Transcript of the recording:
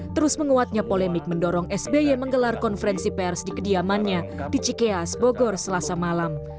terus menguatnya polemik mendorong sby menggelar konferensi pers di kediamannya di cikeas bogor selasa malam